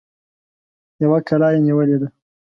يوه کلا يې نيولې ده.